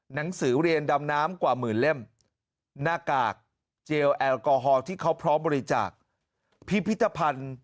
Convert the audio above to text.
หนังสือเรียนดำน้ำกว่าหมื่นเล่มหน้ากากเจลแอลกอฮอล์ที่เขาพร้อมบริจาคพิพิธภัณฑ์